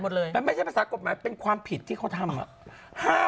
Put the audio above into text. แปลว่าไม่ใช่ปราสาคกฎไม้เป็นความผิดที่เขาทำ